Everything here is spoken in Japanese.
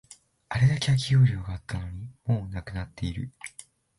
あれだけ空き容量があったのに、もうなくなっている